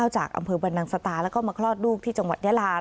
จากอำเภอบรรนังสตาแล้วก็มาคลอดลูกที่จังหวัดยาลา